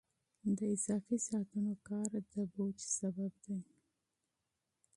د اضافي ساعتونو کار د فشار سبب دی.